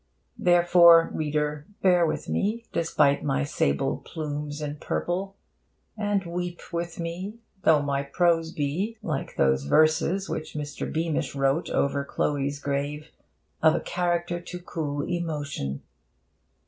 Therefore, reader, bear with me, despite my sable plumes and purple; and weep with me, though my prose be, like those verses which Mr. Beamish wrote over Chloe's grave, 'of a character to cool emotion.'